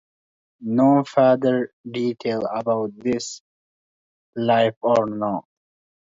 No further details about his life are known.